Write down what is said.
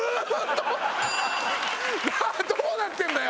どうなってんだよ！